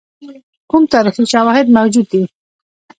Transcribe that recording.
کوم تاریخي شواهد موجود دي.